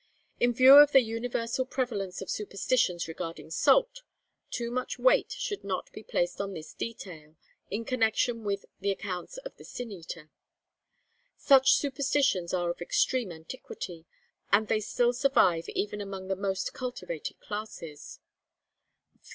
In view of the universal prevalence of superstitions regarding salt, too much weight should not be placed on this detail, in connection with the accounts of the Sin eater. Such superstitions are of extreme antiquity, and they still survive even among the most cultivated classes.